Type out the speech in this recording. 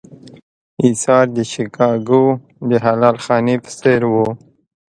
اېثار د شیکاګو د حلال خانې په څېر و.